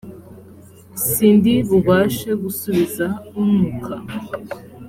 sindi bubashe gusubiza untuka